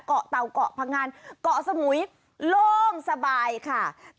เกาะเตากเกาะพังงานเกาะสมุยโล่งสบายค่ะ